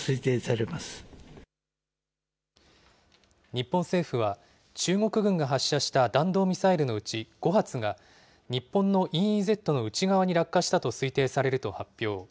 日本政府は、中国軍が発射した弾道ミサイルのうち５発が日本のＥＥＺの内側に落下したと推定されると発表。